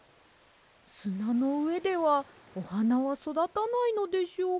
すなのうえではおはなはそだたないのでしょうか。